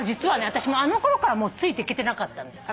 私あのころからついていけてなかったのよ。